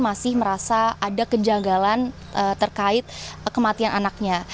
masih merasa ada kejanggalan terkait kematian anaknya